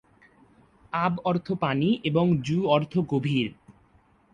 আব অর্থ পানি এবং জু অর্থ গভীর।